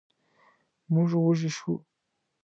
موږ وږي شوو.